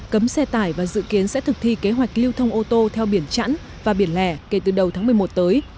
cấm xe tải và dự kiến sẽ thực thi kế hoạch lưu thông ô tô theo biển chẵn và biển lẻ kể từ đầu tháng một mươi một tới